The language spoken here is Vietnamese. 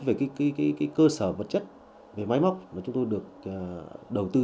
về cơ sở vật chất về máy móc mà chúng tôi được đầu tư